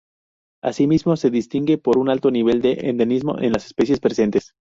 Asimismo, se distingue por un alto nivel de endemismo en las especies presentes.